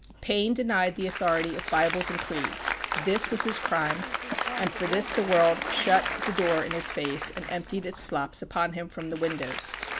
Paine denied the authority of bibles and creeds this was his crime and for this the world shut the door in his face, and emptied its slops upon him from the windows.